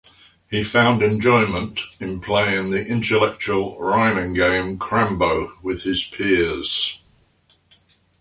He found enjoyment in playing the intellectual rhyming game crambo with his peers.